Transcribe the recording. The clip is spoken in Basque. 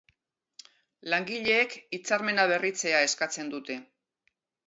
Langileek hitzarmena berritzea eskatzen dute.